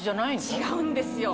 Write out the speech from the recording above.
違うんですよ。